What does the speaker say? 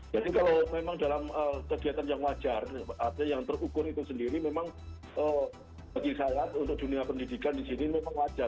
jadi kalau memang dalam kegiatan yang wajar artinya yang terukur itu sendiri memang bagi saya untuk dunia pendidikan di sini memang wajar